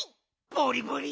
ボリボリ！